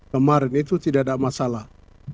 kemarin itu tidak ada masalah